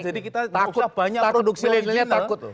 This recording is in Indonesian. jadi kita takut takut milenialnya takut